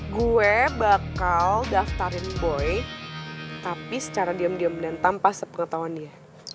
gue bakal daftarin boy tapi secara diam diam dan tanpa sepengetahuan dia